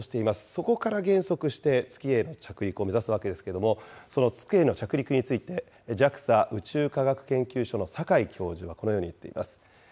そこから減速して、月への着陸を目指すわけですけれども、その月への着陸について、ＪＡＸＡ宇宙科学研究所の坂井教授はこのように言っています。